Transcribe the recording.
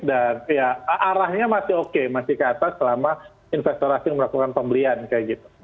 dan arahnya masih oke masih ke atas selama investor asing melakukan pembelian kayak gitu